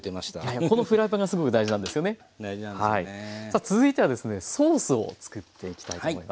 さあ続いてはですねソースを作っていきたいと思います。